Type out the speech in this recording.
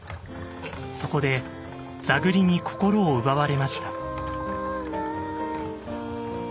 そこで座繰りに心を奪われました。